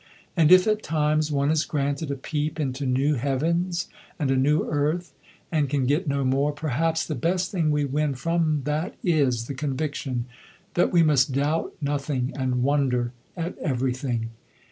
And if at times one is granted a peep into new heavens and a new earth, and can get no more, perhaps the best thing we win from that is the conviction that we must doubt nothing and wonder at everything.